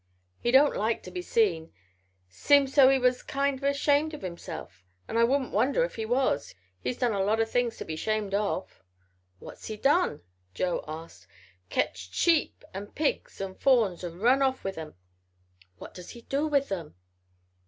He don't like to be seen. Seems so he was kind o' shamed of himself, an' I wouldn't wonder if he was. He's done a lot o' things to be 'shamed of." "What's he done?" Joe asked. "Ketched sheep and pigs and fawns and run off with 'em." "What does he do with 'em?"